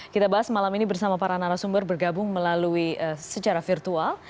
kita bahas malam ini bersama para narasumber bergabung melalui secara virtual